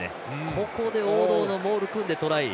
ここで王道のモール組んでトライ。